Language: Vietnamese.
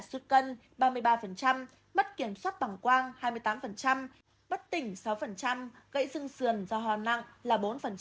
sút cân ba mươi ba bất kiểm soát bằng quang hai mươi tám bất tỉnh sáu gãy dưng sườn do hò nặng là bốn